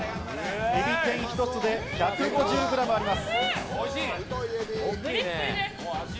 エビ天１つで１５０グラムあります。